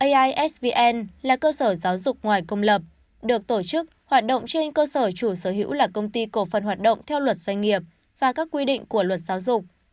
aisvn là cơ sở giáo dục ngoài công lập được tổ chức hoạt động trên cơ sở chủ sở hữu là công ty cổ phần hoạt động theo luật doanh nghiệp và các quy định của luật giáo dục